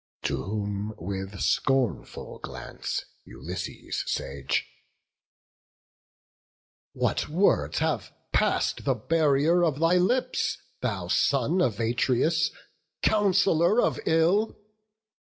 To whom, with scornful glance, Ulysses sage: "What words have pass'd the barrier of thy lips, Thou son of Atreus? counsellor of ill!